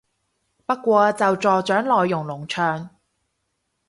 不過就助長內容農場